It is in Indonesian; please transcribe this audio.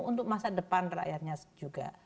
untuk masa depan rakyatnya juga